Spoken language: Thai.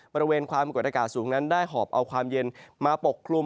บริเวณความกดอากาศสูงนั้นได้หอบเอาความเย็นมาปกคลุม